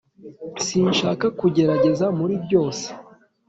sinshaka kugerageza muri byose